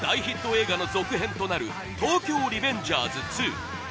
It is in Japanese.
映画の続編となる「東京リベンジャーズ２」